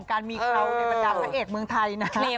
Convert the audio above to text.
การมีเขาในบรรดาพระเอกเมืองไทยนะ